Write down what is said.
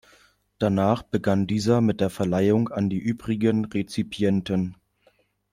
Danach begann dieser mit der Verleihung an die übrigen Rezipienten.